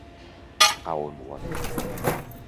A on ho ha fet?